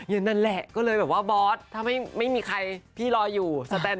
อย่างนั้นแหละก็เลยบอสถ้าไม่มีใครพี่รออยู่